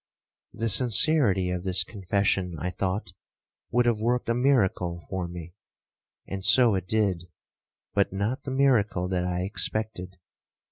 The sincerity of this confession, I thought, would have worked a miracle for me,—and so it did, but not the miracle that I expected.